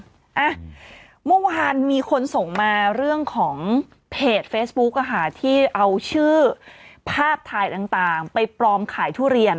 อ่ะเมื่อวานมีคนส่งมาเรื่องของเพจเฟซบุ๊กอ่ะค่ะที่เอาชื่อภาพถ่ายต่างไปปลอมขายทุเรียน